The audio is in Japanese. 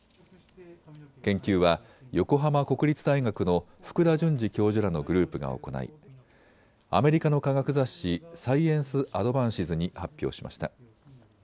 研究は横浜国立大学の福田淳二教授らのグループが行いアメリカの科学雑誌、サイエンス・アドバンシズに発表しました。